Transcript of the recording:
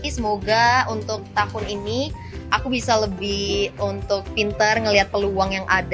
semoga untuk tahun ini aku bisa lebih untuk pinter melihat peluang yang ada